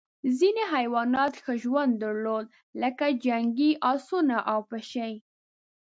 ځینې حیوانات ښه ژوند درلود لکه جنګي اسونه او پشۍ.